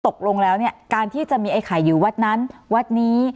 ตกลงแล้วเนี่ยการที่จะมีไอ้ไข่อยู่วัดนั้นวัดนี้